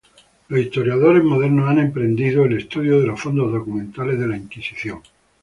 Los historiadores modernos han emprendido el estudio de los fondos documentales de la Inquisición.